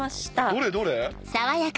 どれどれ？